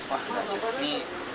wah nasi ini